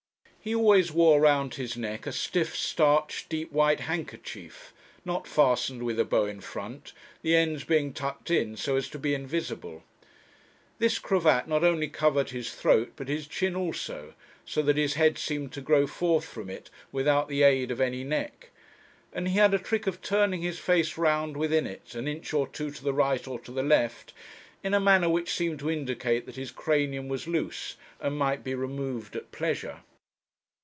He always wore round his neck a stiff starched deep white handkerchief, not fastened with a bow in front, the ends being tucked in so as to be invisible. This cravat not only covered his throat but his chin also, so that his head seemed to grow forth from it without the aid of any neck; and he had a trick of turning his face round within it, an inch or two to the right or to the left, in a manner which seemed to indicate that his cranium was loose and might be removed at pleasure.